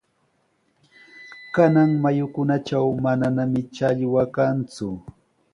Kanan mayukunatraw mananami challwa kanku.